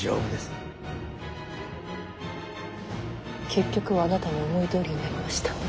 結局はあなたの思いどおりになりましたね。